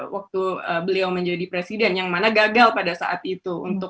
waktu beliau menjadi presiden yang mana gagal pada saat itu